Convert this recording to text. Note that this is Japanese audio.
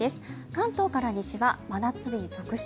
関東から西は真夏日続出。